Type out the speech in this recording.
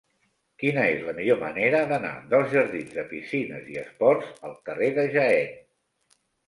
Quina és la millor manera d'anar dels jardins de Piscines i Esports al carrer de Jaén?